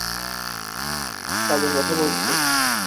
কাজের কথা বলছ?